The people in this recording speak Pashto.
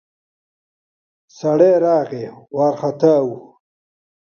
سړی راغی ، وارختا و.